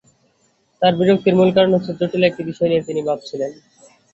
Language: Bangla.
তাঁর বিরক্তির মূল কারণ হচ্ছে, জটিল একটি বিষয় নিয়ে তিনি ভাবছিলেন।